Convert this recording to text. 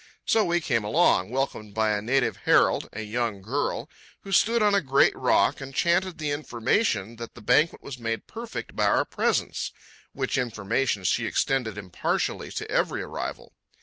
So we came along, welcomed by a native herald, a young girl, who stood on a great rock and chanted the information that the banquet was made perfect by our presence—which information she extended impartially to every arrival.